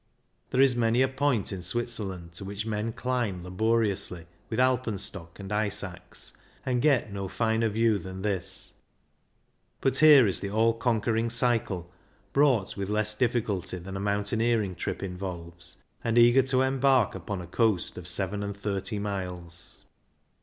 There is many a point in Switzerland to which men climb laboriously with alpenstock and ice axe, and get no finer view than this ; but here is the all conquering cycle, brought with less difficulty than a mountaineering trip involves, and eager to embark upon a coast of seven and thirty miles.